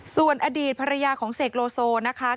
ส่วนอดีตภรรยาของเสกโลโซนะคะ